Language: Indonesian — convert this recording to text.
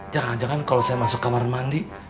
jangan jangan kalau saya masuk kamar mandi